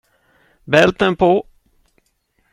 Bälten på.